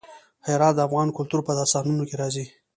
هرات د افغان کلتور په داستانونو کې راځي.